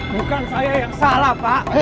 bukan saya yang salah pak